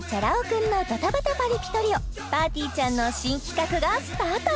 君のドタバタパリピトリオぱーてぃーちゃんの新企画がスタート！